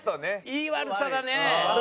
いい悪さだね。